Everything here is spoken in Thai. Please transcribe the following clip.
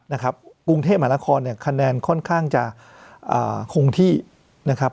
นะครับกรุงเทพมหานครเนี่ยคะแนนค่อนข้างจะอ่าคงที่นะครับ